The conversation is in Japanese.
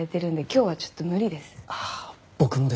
ああ僕もです。